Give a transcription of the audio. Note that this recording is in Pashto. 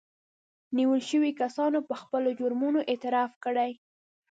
نيول شويو کسانو په خپلو جرمونو اعتراف کړی